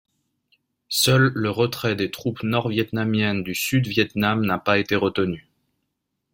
Seul le retrait des troupes nord-vietnamiennes du Sud Viêt Nam n'a pas été retenu.